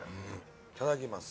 いただきます。